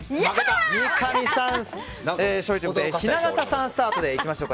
三上さん勝利ということで雛形さんスタートでいきましょう。